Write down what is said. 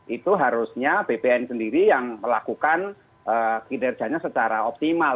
itu harusnya bpn sendiri yang melakukan kinerjanya secara optimal